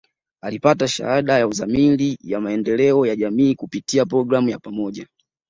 Alipata Shahada ya Uzamili ya Maendeleo ya Jamii kupitia programu ya pamoja